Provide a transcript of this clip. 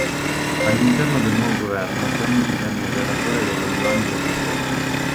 All'interno del nuovo governo Chen divenne il relatore dello Yuan legislativo.